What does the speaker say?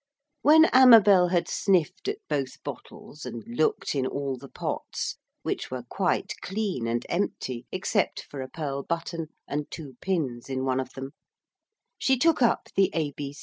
When Amabel had sniffed at both bottles and looked in all the pots, which were quite clean and empty except for a pearl button and two pins in one of them, she took up the A.